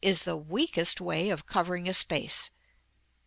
is the weakest way of covering a space.